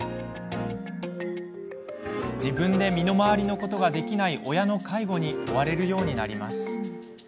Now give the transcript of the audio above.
自分で身の回りのことができない親の介護に追われるようになります。